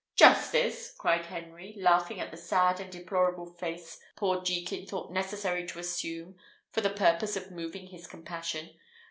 "Justice!" cried Henry, laughing at the sad and deplorable face poor Jekin thought necessary to assume for the purpose of moving his compassion.